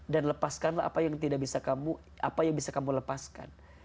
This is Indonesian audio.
dan lepaskanlah apa yang bisa kamu lepaskan